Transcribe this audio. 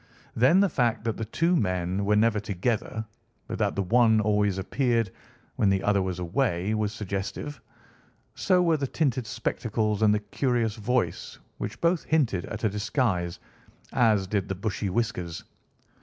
Then the fact that the two men were never together, but that the one always appeared when the other was away, was suggestive. So were the tinted spectacles and the curious voice, which both hinted at a disguise, as did the bushy whiskers.